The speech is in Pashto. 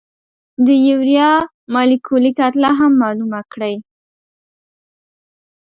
د یوریا مالیکولي کتله هم معلومه کړئ.